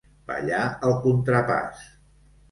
Ballar el contrapàs.